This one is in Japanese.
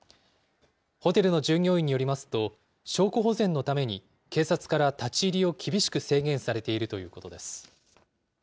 ホテルの従業員によりますと、証拠保全のために、警察から立ち入りを厳しく制限されているということです。